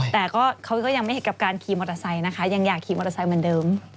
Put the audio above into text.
แต่เขาก็ยังไม่เห็นกับการขี่มอเตอร์ไซค์นะคะยังอยากขี่มอเตอร์ไซค์เหมือนเดิม